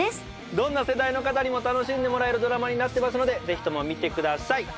どんな世代の方にも楽しんでもらえるドラマになってますのでぜひとも見てください！